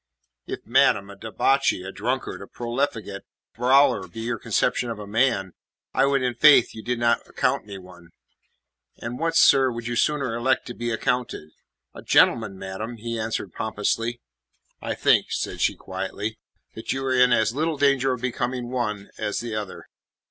"If, madam, a debauchee, a drunkard, a profligate, a brawler be your conception of a man, I would in faith you did not account me one." "And what, sir, would you sooner elect to be accounted?" "A gentleman, madam," he answered pompously. "I think," said she quietly, "that you are in as little danger of becoming the one as the other.